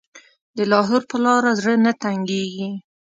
د لاهور په لاره زړه نه تنګېږي.